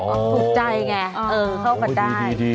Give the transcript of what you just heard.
ต้องหยุดใจไงเออเข้ากันได้